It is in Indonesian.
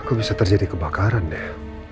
kok bisa terjadi kebakaran deh